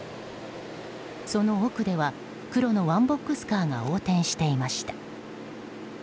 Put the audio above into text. その奥では黒のワンボックスカーが横転していました。